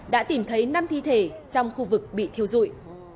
đã tìm thấy năm thi thể trong khu vực bị thiêu dụi